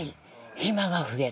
暇が増えて。